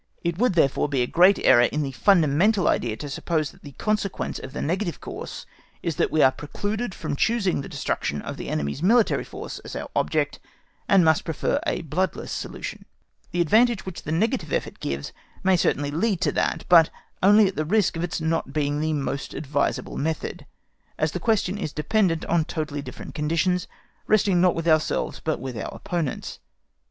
It would therefore be a great error in the fundamental idea to suppose that the consequence of the negative course is that we are precluded from choosing the destruction of the enemy's military force as our object, and must prefer a bloodless solution. The advantage which the negative effort gives may certainly lead to that, but only at the risk of its not being the most advisable method, as that question is dependent on totally different conditions, resting not with ourselves but with our opponents.